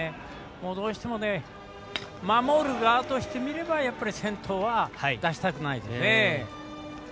どうしても守る側としてみればやっぱり先頭は出したくないですね。